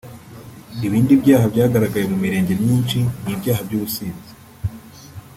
Ibindi byaha byagaragaye mu mirenge myinshi ni ibyaha by’ubusinzi